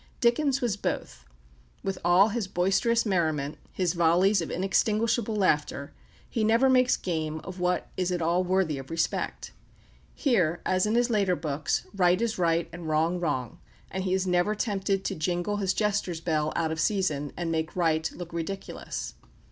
Dickens was both. With all his boisterous merriment, his volleys of inextinguishable laughter, he never makes game of what is at all worthy of respect. Here, as in his later books, right is right, and wrong wrong, and he is never tempted to jingle his jester's bell out of season, and make right look ridiculous.